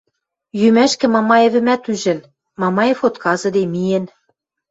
Йӱмӓшкӹ Мамаевӹмӓт ӱжӹн, Мамаев отказыде — миэн.